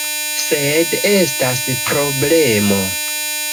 Sed estas... problemo: